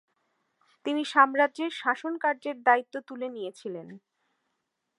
তিনি সাম্রাজ্যের শাসন কার্যের দায়িত্ব তুলে নিয়েছিলেন।